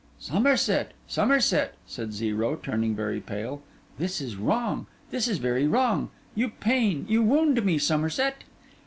'Somerset, Somerset!' said Zero, turning very pale, 'this is wrong; this is very wrong. You pain, you wound me, Somerset.